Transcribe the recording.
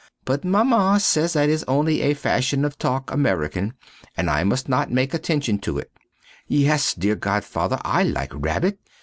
But Maman say that is only a fashion of talk American and I must not make attention to it. Yes, dear godfather, I like rabbit.